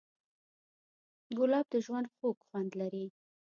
ګلاب د ژوند خوږ خوند لري.